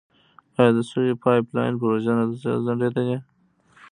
آیا د سولې پایپ لاین پروژه نه ده ځنډیدلې؟